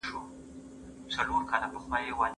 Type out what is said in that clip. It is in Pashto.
پرمختيايي هېوادونه د اقتصادي ودې لپاره د کار ځواک کاروي.